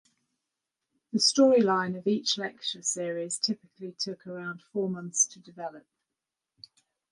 The storyline of each lecture series typically took around four months to develop.